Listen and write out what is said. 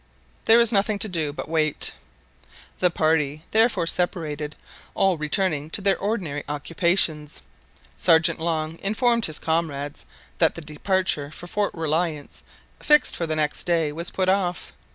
There was nothing to do but to wait. The party therefore separated, all returning to their ordinary occupations. Sergeant Long informed his comrades that the departure for Fort Reliance, fixed for the next day, was put off.